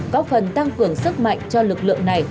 có phần tăng cường sức mạnh cho lực lượng này